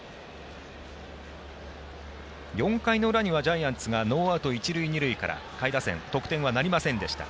４回の裏にはジャイアンツがノーアウト、一塁二塁から下位打線得点はなりませんでした。